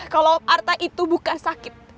kalau arta itu bukan sakit